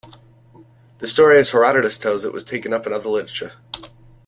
The story as Herodotus tells it was taken up in other literature.